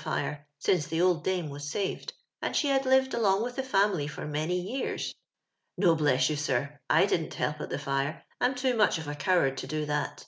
^ ijro since tlio old damo was saved, for she hnd livod alon^' with the family for many years. No. blis i you, sir ! 1 didn't help at the lire ; I'm too muoh of a coward tn do th. if.